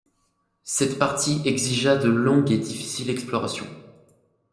Cette partie exigea de longues et difficiles explorations